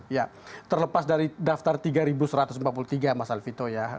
ya terlepas dari daftar tiga satu ratus empat puluh tiga mas alvito ya